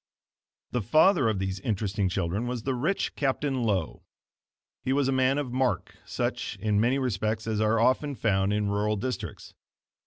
The father of these interesting children was the rich Captain Lowe. He was a man of mark, such, in many respects as are often found in rural districts.